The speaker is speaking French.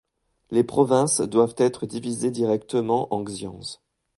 Les provinces doivent être divisées directement en xians.